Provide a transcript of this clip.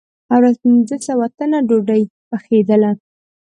هره ورځ پنځه سوه تنه ډوډۍ پخېدله.